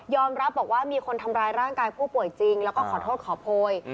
รับบอกว่ามีคนทำร้ายร่างกายผู้ป่วยจริงแล้วก็ขอโทษขอโพย